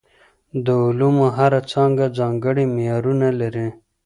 د علومو هره څانګه ځانګړي معیارونه لري.